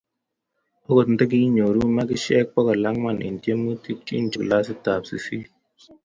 okot ntikinyoru makishek bokal angwan en tiemutik chin chebo klasit ab sisit